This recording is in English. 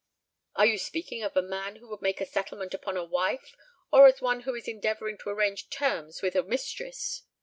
"Are you speaking as a man who would make a settlement upon a wife, or as one who is endeavouring to arrange terms with a mistress?"